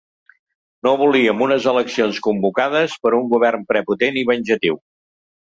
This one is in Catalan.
No volíem unes eleccions convocades per un govern prepotent i venjatiu.